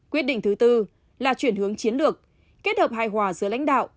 quyết định thứ tư là chuyển hướng chiến lược kết hợp hài hòa giữa lãnh đạo